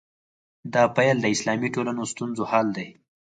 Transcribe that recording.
دا پیل د اسلامي ټولنو ستونزو حل دی.